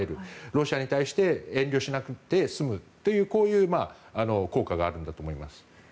ロシアに対して遠慮なくて済むというこういう効果があるんだと思います。